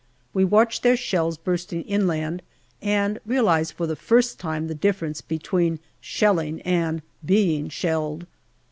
We watch their shells bursting inland, and realize for the first time the difference between shelling and being shelled.